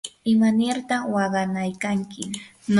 ¿imarta waqanaykanki?